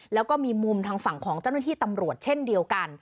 แล้วก็มีมุมทางฝั่งของเจ้าหน้าที่ตำรวจเช่นเดียวกัน